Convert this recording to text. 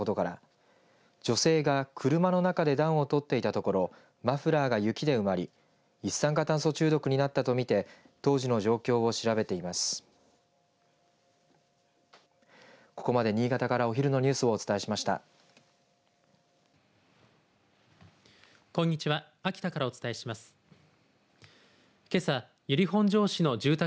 ここまで新潟からお昼のニュースをお伝えしました。